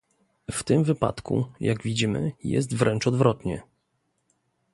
W tym wypadku, jak widzimy, jest wręcz odwrotnie